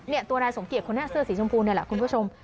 ตัวนายสมเกียจคนนี้เสื้อสีชมพูนี่แหละคุณผู้ชม